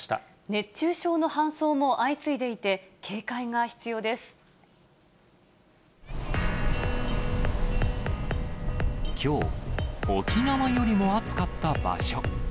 熱中症の搬送も相次いでいて、きょう、沖縄よりも暑かった場所。